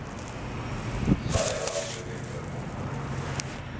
Sana yalan söylemiyorum.